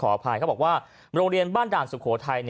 อภัยเขาบอกว่าโรงเรียนบ้านด่านสุโขทัย